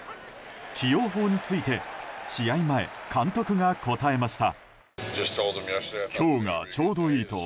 起用法について試合前、監督が答えました。